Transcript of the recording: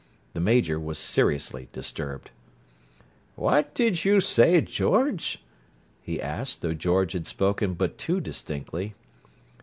The Major was seriously disturbed. "What did you say, George?" he asked, though George had spoken but too distinctly.